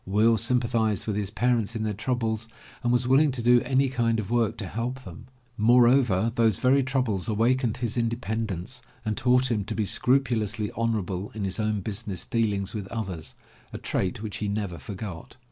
Will sympathized with his parents in their troubles and was willing to do any kind of work to help them. Moreover, those very troubles awakened his independence and taught him to be scrupulously honorable in his own business deal ings with others, a trait which he never forgot.